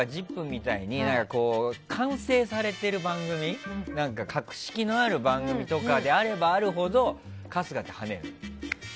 みたいに完成されている番組とか格式のある番組とかであればあるほど春日って跳ねるの。